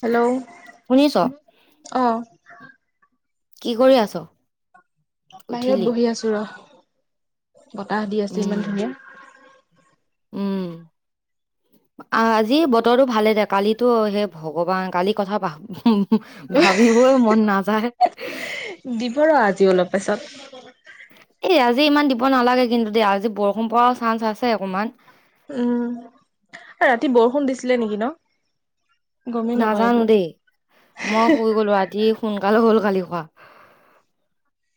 Hello শুনিছ অহ, কি কৰি আছ? বাহিৰত উঠিলি বহি আছো ৰ। বতাহ দি আছে উম ইমান ধুনীয়া উম আজি বতৰটো ভালে দে, কালিতো সেই ভগৱান কালি কথা ভাবিবই মন নাযায়। তাৰপিছত এই আজি ইমান দিব নালাগে, কিন্তু দিয়া আজি বৰষুণ পৰা উম, আৰু ৰাতি বৰষুণ বৰষুণ দিছিলে নেকি ন? গমেই নাপাওঁ নাজানো একো দেই, মই শুই গলো ৰাতি সোনকালে শুলো। কালি হোৱা।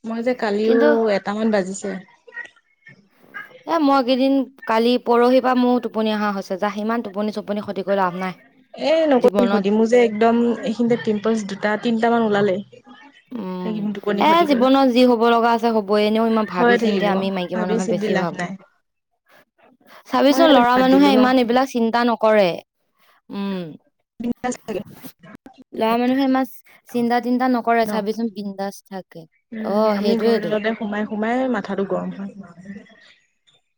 মই যে কালিও এটামান বাজিছে। এ মই এইকেইদিন কালি পৰহিৰ পৰা মোৰো টোপনি অহা হৈছে, যা ইমান টোপনি-চোপনি খতি কৰি লাভ নাই। এ নকবি, জীৱনত সুধিলো যে একদম এইখিনিতে পিম্পলচ দুটা, তিনটা মান ওলালে। উম উম, এইকেইদিন টোপনি এ খতিকৈ জীৱনত যি হব লগা আছে হ'বই, এনেও ইমান ভাবি হৈ চিন্তি থাকিব আমি মাইকী ভাবি মানুহে চিন্তি বেছি লাভ ভাবো। নাই মই চাবিচোন, সেইকাৰণে ল'ৰা বাদ মানুহে দিলো ন ইমান এইবিলাক চিন্তা নকৰে। উম, বিন্দাছ লাগে ল'ৰা মানুহে ইমান চিন্তা-তিন্তা নকৰে নকৰে, ন। চাবিচোন বিন্দাছ উম, আমি ঘৰ তাতে সোমাই-সোমাই মাথাটো গৰম হয়।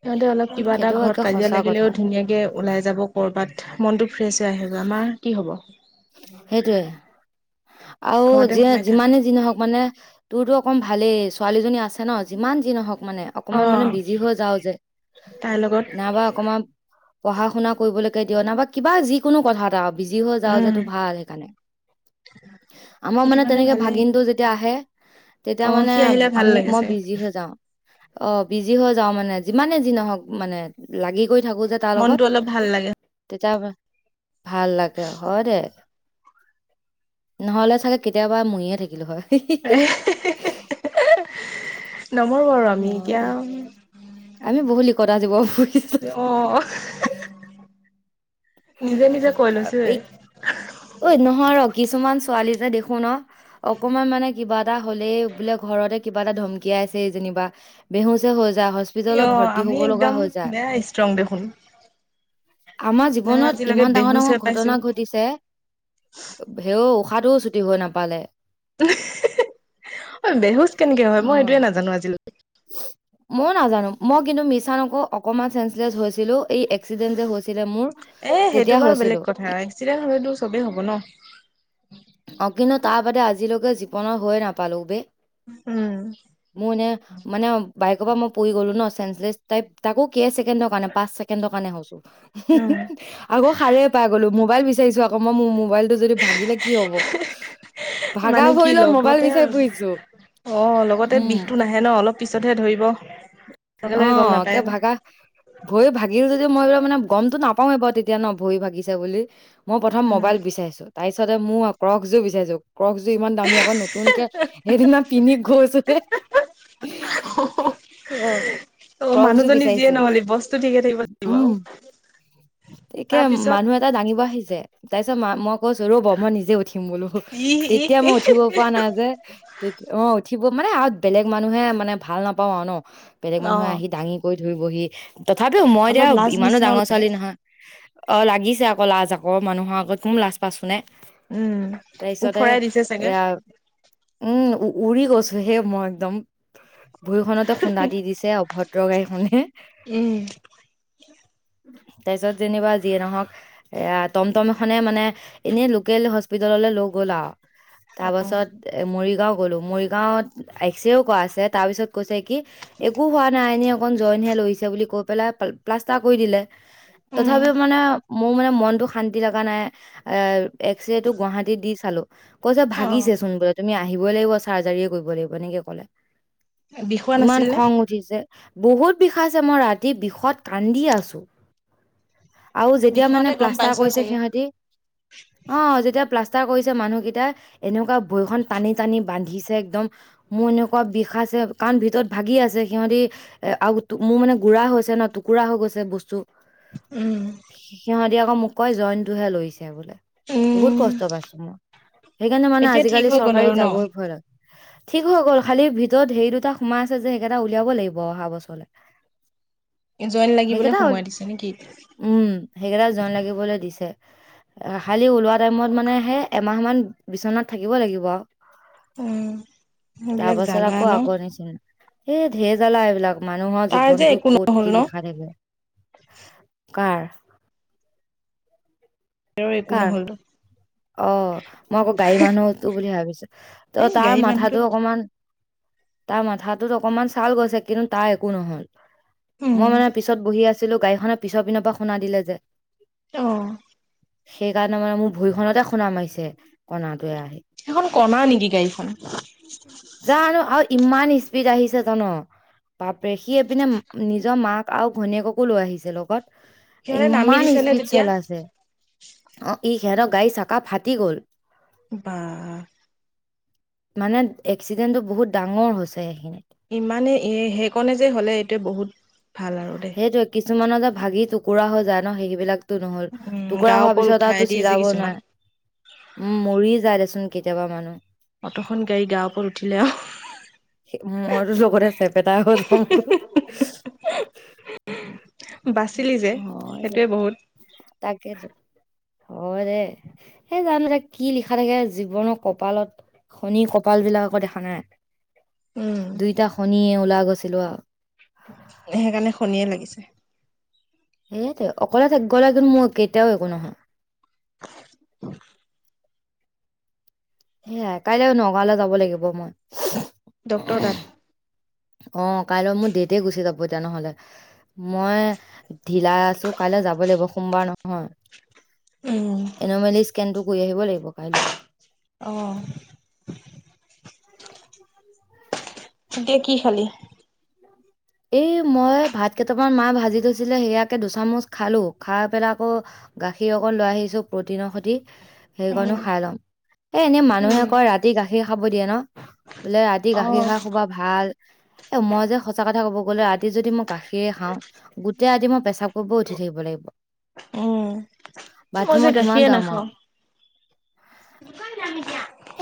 সিহঁতে অলপ কিবা এটা সেইটো ঘৰত একে কাজিয়া সঁচা কথা লাগিলেও, ধুনীয়াকে ওলাই যাব কৰ'বাত। মনটো ফ্ৰেছ হৈ আহেগৈ? আমাৰ কি হ'ব? সেইটোৱে আৰু ঘৰতে যিয়ে সোমাই থাক যিমানে যি নহওক মানে তোৰতো অকণ ভালেই, ছোৱালীজনী আছে। ন যিমান যি নহওক মানে অ অকমান মানে বিজি হৈ যাওঁ যে তাইৰ লগত নাইবা অকমান পঢ়া-শুনা কৰিবলৈকে দিয় নে বা কিবা যিকোনো কথা এটা বিজি হৈ যাওঁ যে, উম সেইটো ভাল সেইকাৰণে আমাৰ সেইটো মানে কাৰণে তেনেকে ভালেই ভাগিনটো যেতিয়া আহে তেতিয়া অ মানে সি আহিলে ভাল আমি, লাগে মই চাগে বিজি হৈ যাওঁ অ, বিজি হৈ যাওঁ মানে, যিমানে যি নহওক মানে লাগি লাগি কৰি থাকো যে তাৰ মনটো লগত, অলপ ভাল লাগে তেতিয়া মানে ভাল লাগে, হয় দে নহ'লে চাগে কেতিয়াবা মৰিয়ে থাকিলো হয়। হি-হি-হি নমৰো আৰু আমি হয় এতিয়া দে, আমি বহুত লিকতা জীৱ ফুৰিছো অ [unintelligible] নিজে নিজে কৈ লৈছোয়ে এই, ঐ নহৰক কিছুমান ছোৱালী যে দেখো ন, অকমান মানে কিবা এটা হ'লেই বোলে ঘৰতে কিবা এটা ধমকিয়া আছে, এই যেনিবা বেহুচ হৈ তাৰ হস্পিটেলত অ ভৰ্তি আমি হ'ব লগীয়া একদম হৈ যায়। বেয়া ষ্ট্ৰং দেখোন নাই জীৱনত আজিলৈকে ইমান বেহুচ হৈ ডাঙৰ-ডাঙৰ পাইছো ঘটনা ঘটিছে, হে ত উশাহটোও ছুটি হৈ নাপালে। উ [unintelligible] অ, বেহুজ কেনেকে হয়? মই অ'। এইটোৱে নাজানো আজিলৈকে। ময়ো নাজানো মই কিন্তু মিছা নকও অকনমান চেঞ্চলেছ হৈছিলো। এই এক্সিডেন্ট যে হৈছিলে মোৰ- এ তেতিয়া সেইটো বাৰু হৈছিলো বেলেগ কথা ই- এক্সিডেণ্ট হলেতো চবেই হ'ব ন। অ কিন্তু তাৰ বাদে আজিলৈকে জীৱনৰ হৈয় নাপালো বে- উম মোৰ এনে মানে বাইকৰ পৰা মই পৰি গ'লো ন চেন্ঞ্চলেচ। তাই তাকো কেই ছেকেণ্ডৰ কাৰণে পাঁচ ছেকেণ্ডৰ কাৰণে হৈছো। উম আকৌ সাৰে পাই গ'লো মোবাইল বিচাৰিছো আকৌ মই মোৰ মোবাইল যদি ভাগিলে কি হব, ভাগা মানে ভ কি লৈ মোবাইল লগতে বিচাৰি ফুৰিছো। অ লগতে উম বিষটো নাহে ন অলপ পিছতহে ধৰিব। লগে অ লগে গম নাপায় একে ন ভাগা ভৰি ভাগি য মই এইবিলাক মানে গমতটো নাপাওে বাৰ তেতিয়া ন ভৰি ভাগিছে বুলি মই প্ৰথম উম মোবাইল বিচাৰছো। তাই পিছতে মোৰ ক্ৰক জোৰ বিচাৰছো। ক্ৰক জোৰ ইমান দামী আকৌ নতুনকে সেইদিনা পিন্ধি গৈছো হে [unintelligible] অ ক্ৰক্সযোৰ মানুহজনী যিয়ে বিচাৰিছো নহলে বস্তু ঠিকে থাকিব লাগিব আও - তাকে মানুহ এটা দাঙিব আহিছে, তাৰপিছত ম মই কৈছো ৰব মই নিজে উঠি। উম বোলো ই ই তেতিয়া মই উঠিব পৰা নাই যে তে মই উঠিব মানে আৰু বেলেগ মানুহে মানে ভাল নাপাওঁ আৰু ন বেলেগ অ মানুহে আহি দাঙি কৰি ধৰিবহি- তথাপিও মই এতিয়া অলপ লাজ ইমানো নিচিনাও ডাঙৰ লাগে ছোৱালী নহয়। অ লাগিছে আকৌ লাজ আকৌ মানুহৰ আগত কোন লাজ পাইছো নে। উম তাৰপিছতে ওফৰাই দিছে চাগে এয়া উম উ উৰি গৈছোহে মই একদম- ভৰি খনতে খুন্দা দি দিছে অভদ্ৰ গাড়ীখনে- উম [inaudible] তাৰপিছত যেনিবা যিয়ে নহওক এ টমটম এখনে মানে এনেই লোকেল হস্পিতেললৈ লৈ গ'ল আও। তাৰ পাছত এ মৰি ও গ'লো মৰিগাঁওত এক্সৰেও কৰা আছে তাৰ পিছত কৈছে কি একো হ নাই এনেই অকন জইন লৰিছে বুলি কৈ পেলাই প্লাষ্টাৰ কৰি দিলে। উম, তথাপিও মানে মোৰ মানে মনটো শান্তি লগা নাই এ এক্স ৰে টো গুৱাহাটীত দি চালো। কৈ যে অ ভাগিছে চোন বোলে তুমি আহিবই লাগিব চাৰ্জাৰীয়েে কৰিব লাগিব এনেকে কলে। বিষোৱা ইমান নাছিল নে খং উঠিছে বহুত বিষাইছে মই ৰাতি বিষত কান্দি আছো। আৰু যেতিয়া মানে বিষোৱাতে গম প্লাষ্টাৰ পাইছই কৰিছে চাগে সিহতি অ যেতিয়া প্লাষ্টাৰ কৰিছে মানুহকেইটা এনেকুৱা ভৈখন টানি টানি বান্ধিছে একদম মোৰ এনেকুৱা বিষায়- আ কাৰণ ভিতৰত ভাগি আছে সিহঁতি এ আৰু মোৰ মানে গুড়া হৈছে ন টুকুৰা হৈ গৈছে। বস্তু- উম। এতিয়া আকৌ মোক কয় জইনতটোহে লৈছে বোলে বহুত উম, কষ্ট পাইছো মই। সেইকাৰণে মানে এতিয়া ঠিক আজিকালি হৈ গ'ল চৰকাৰী আৰু ন যাবই ভয়। ঠিক হৈ গ'ল খালি ভিতৰত হেৰি দুটা সোমাই আছে। যে সেইকেইটা উলিয়াব লাগিব অহা বছৰলে- জইন লাগিবলে সেইকেইটা সোমুৱাই দিছে। নেকি উম সেইকেইটা জইন লাগিবলে দিছে। ছে খালি ওলোৱা টাইমত মানে সেই এমাহমান বিচনাত থাকিব লাগিব আৰু- উম তাৰ সেইবিলাক পাছত জ্বালা আকৌ ন আগৰ নিচিনা এই ঢেৰ জালা এইবিলাক মানুহৰ তাৰ যে জীৱনটো একো কত নহ'ল কি ন লিখা থাকে। কাৰ তেওঁৰ একো কাৰ নহ'ল অ মই আকৌ গাড়ী মানুহটো বুলি ভাবিছো। ত এই তাৰ গাড়ী মানুহটো মাথাটো অকমান- তাৰ মাথাটোত অকনমান ছাল গৈছে কিন্তু তাৰ একো নহয়। উম মই মানে পিছত বহি আছিলো গাড়ীখনৰ পিছৰ পিনৰ পৰা শুনা দিলে যে- অ সেইকাৰণে মানে মোৰ ভূই খনতে খোন্দা মাৰিছে কণাত- সেইখন কণা নেকি গাড়ীখন জানো আৰু ইমান স্পীড আহিছে জান। বাপৰে, সি এপিনে নিজৰ মাক আৰু ঘনীয়েককো লৈ আহিছে লগত। সিহঁতে নামি ইমান দিছে নে স্পীড তেতিয়া চলাইছে। অঁ ই সিহঁতৰ গাড়ী চাকা ফাটি গল। বাহ! মানে এক্সিডেণ্টটো বহুত ডাঙৰ হৈছে সেইখিনিত। ইমানেই এই সেইকণে যে হ'লে এইটোৱে বহুত। ভাল আৰু দেই সেইটোয়ে কিছুমানৰ যে ভাগি টুকুৰা হৈ যায় ন সেইবিলাক তো নহল, উম টুকুৰা গাৰ হোৱা ওপৰত পিছত আৰু উঠাই তো দিয়ে যে চিলাব কিছুমান নোৱাৰে। উম মৰি যাই দেচোন কেতিয়াবা মানুহ। অ'ত'খন গাড়ীৰ গা ওপৰত উঠিল। সে মইতো লগতে চেপেটা হৈ যাম ক'। বাচিলি যে হয় দে সেইটোৱে বহুত। তাকেতো হয় দে। এই জান দে কি লিখা থাকে জীৱনৰ কপালত শনি কপাল বিলাক আকো দেখা নাই, উম দুইটা শনিয়ে ওলাই গৈছিলো আৰু। সেইকাৰণে শনিয়ে লাগিছে। সেইয়েতো অকলে থাক গ'লে মোৰো একেই। তেওঁ একো নহয়। সেয়াই কাইলৈ নগাঁৱলৈ যাব লাগিব মই। ডক্টৰ তাত? অ কাইলৈ মোৰ দেটে গুচি যাব এতিয়া নহলে, মই ঢিলাই আছো কাইলে যাবই লাগিব, সোমবাৰ উম নহয়। এনমেলি স্কেনটো কৰি আহিব লাগিব কাইলৈ। অঁ। এতিয়া কি খালি? এই মই ভাত কেইটামান মাই ভাজি থৈছিলে সেয়াকে দুচামুচ খালো খাই পেলাই আকৌ গাখীৰ অকণ লৈ আহিছো প্ৰটিনৰ সতি সেইকণো উম খাই লম। এ এনেই মানুহে উম কয় ৰাতি গাখীৰ খাব দিয়ে ন? বোলে ৰাতি অ গাখীৰ খায় শুবা ভাল। এ মই যে সঁচা কথা কথা কব গলে ৰাতি যদি মই গাখীৰে খাওঁ, গোটেই ৰাতি মই পেচাব কৰিব উঠি থাকিব লাগিব। উম। মই যে বাথৰুমত কিমান গাখীয়ে যাম আও। নাখাওঁ।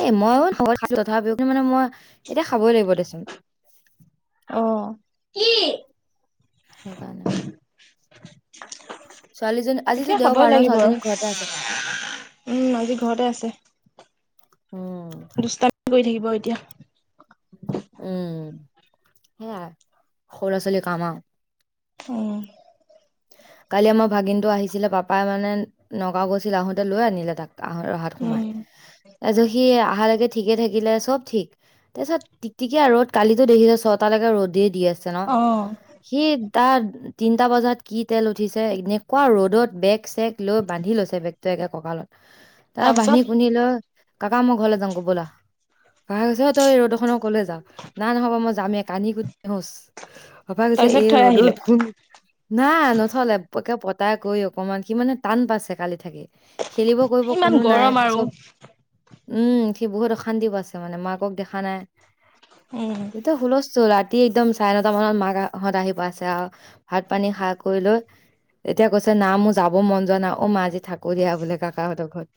এই মইয়ো খব নোৱাৰিছো তথাপিও মানে মই এতিয়া খাবই লাগিব দেচোন। অঁ। সেই কাৰনে। ছোৱালীজনী আজিতো এতিয়া খাবই দেওবাৰ ন লাগিব আৰু ছোৱালীজনী ঘৰতে আছে। উম আজি ঘৰতে আছে উম, দুষ্টামি কৰি থাকিব এতিয়া। উম সেয়াই সৰু ল'ৰা ছোৱালীৰ কাম আও। উম। কালি আমাৰ ভাগিনটো আহিছিলে পাপাই মানে নগাঁও গৈছিল আহোতে লৈ আনিলে তাক ৰহাত সোমাই। উম তাৰপিছ সি অহালৈকে ঠিকে থাকিলে চব ঠিক, তাৰপিছত টিকটিকিয়া ৰ'দ কালিতো দেখিছ ছটালৈকে ৰ'দ দি আছে ন। অ সি তাৰ তিনিটা বজাত কি তেল উঠিছে এনেকুৱা ৰ'দত বেগ চেগ লৈ বান্ধি লৈছে বেগটো একে কঁকালত। তাপা বান্ধি তাৰপিছত কুন্দি লৈ ক'কা মই ঘলে যাং গৈ বলা। ক'কা কৈছে তই ৰ'দ খনত কলৈ যাওঁ। নাই নহ'ব মই যামেই কান্দিকুতি ধুঁছ, পাপাই কৈছে তাৰপিছত এই থৈ আহিলে ৰ'দত কোন না নথলে একে পতা কৰি অকমান সি মানে টান পাইছে কালি থাকি। খেলিব কৰিব ইমান কোনো নাই গৰম আৰু চব উম সি বহুত অশান্তি পাইছে মানে মাকক দেখা নাই, উম একদম হুলস্থূল ৰাতি একদম চাৰে নটা মানত মাহঁত আহি পাইছে আৰু ভাত পানী খা কৰি লৈ এতিয়া কৈছে না মোৰ যাব মন যোৱা নাই অ মা আজি থাকো দিয়া বোলে কাকাহঁতৰ ঘত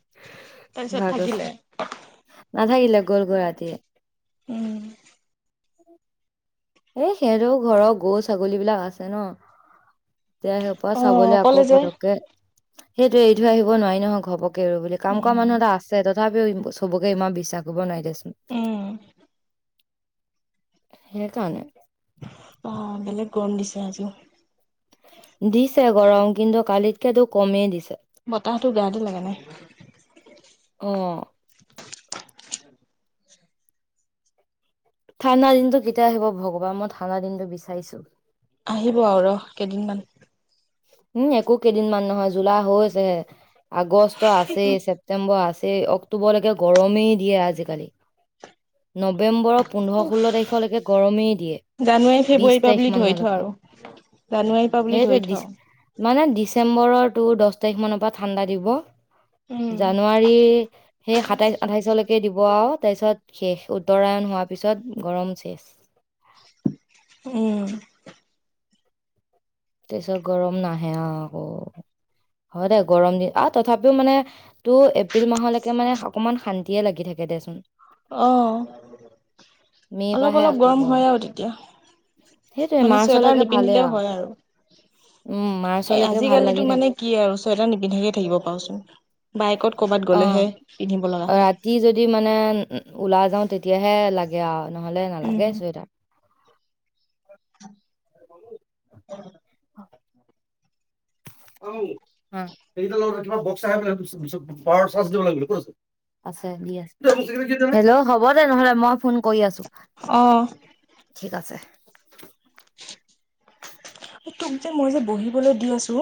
তাৰপিছত ভছ থাকিলে নাথাকিল গ'ল গৈ ৰাতি উম এ সিহঁতৰ ঘৰৰ গৰু ছাগলী বিলাক আছে ন এতিয়া সেইপ অ চাবলৈ অকলে আকৌ যে পটককে সেইটো এৰি থৈ আহিব নোৱাৰি নহয় ঘৰপক বুলি কাম কৰা উম মানুহ এটা আছে তথাপিও চবকে ইমান বিশ্বাস কৰিব নাই। উম সেইকাৰণে বা বেলেগ গৰম দিছে আজো দিছে গৰম কিন্তু কালিতকে কমেই দিছে। বতাহতটো গাতে লাগে নাই। অ ঠাণ্ডা দিনটো কেতিয়া আহিব ভগৱান মই ঠাণ্ডা দিনটো বিচাৰিছো। আহিব আৰু ৰ কেইদিনমান উম একো কেইদিনমান নহয় জুলাই হৈছেহে, আগষ্ট আছেই, ছেপ্তেম্বৰ আছে। অক্টোবৰলৈকে গৰমেই দিয়ে আজি কালি, নৱেম্বৰত পোন্ধৰ ষোল্ল তাৰিখলৈকে গৰমেই দিয়ে। বিশ তাৰিখ মানলৈকে জানোৱাৰি পা বুলি সেইটোৱে ধৰি দিছ থওঁ মানে ডিচেম্বৰ তটো দহ তাৰিখ মানৰ পৰা ঠাণ্ডা দিব। উম জানুৱাৰী সেই সাতাইশ আঠাইশলৈকে দিব আৰু তাৰ পিছত শেষ উত্তৰায়ণ হোৱাৰ পিছত গৰম শেষ উম তাৰছত গৰম নাহে আকৌ হয় দে গৰম দিন আহ তথাপিও মানে টো এপ্ৰিল মাহলৈকে মানে অকমান শান্তিয়ে লাগি থাকে। কে দেচোন অ মে'ৰ অলপ পৰাহে অলপ আকৌ গৰম হয় আৰু তেতিয়া সেইটোৱে মানে চুৱেটাৰ মাৰ্চলৈকে ভালেই নিপিন্ধিলেও হয় আৰু উম এ মাৰ্চলৈকে ভাল লাগি আজিকালিতো থাকে মানে কি আৰু চুৱেটাৰ নিপিন্ধাকে থাকিব পাওচোন বাইকত ক'বাত অ গ'লেহে পিন্ধিব লগা হয়। ৰাতি যদি মানে ওলাই যাওঁ তেতিয়াহে লাগে আৰু নহলে নালাগে উম, চুৱেটাৰ অ [inaudible] বসা পাহ দ লাগ ক [unintelligible] আছে দি আছে হেল্ল' হ'ব দে নহলে মই ফোন কৰি আছো। অ'। ঠিক আছে। এই তোক যে মই যে বহিবলৈ দি আছো।